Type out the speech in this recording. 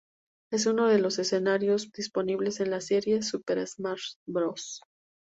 Es uno de los escenarios disponibles en la serie "Super Smash Bros.